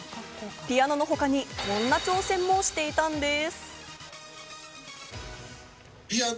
ピアノのほかにこんな挑戦もしていたんです。